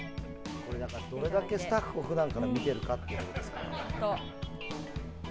どれだけスタッフを普段から見てるかっていうことですからね。